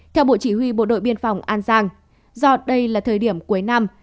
theo bộ chỉ huy bộ đội biên phòng an giang do đây là thời điểm cuối năm